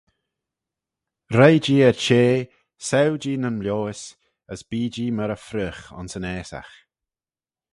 Roie-jee er-chea, saue-jee nyn mioys, as bee-jee myr y freoagh ayns yn aasagh.